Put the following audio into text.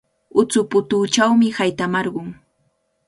Utsuputuuchawmi haytamarqun.